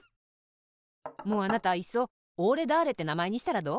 もうあなたいっそおーれだーれってなまえにしたらどう？